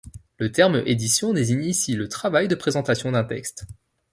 Le terme édition désigne ici le travail de présentation d'un texte.